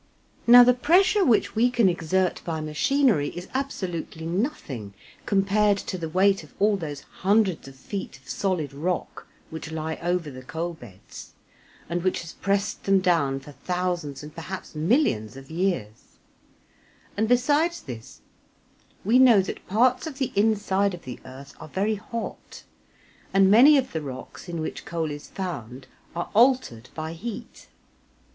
Now the pressure which we can exert by machinery is absolutely nothing compared to the weight of all those hundreds of feet of solid rock which lie over the coal beds, and which has pressed them down for thousands and perhaps millions of years; and besides this, we know that parts of the inside of the earth are very hot, and many of the rocks in which coal is found are altered by heat.